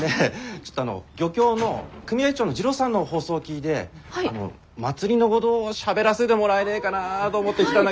ちょっとあの漁協の組合長の滋郎さんの放送聞いで祭りのごどしゃべらせでもらえねえがなど思って来たんだ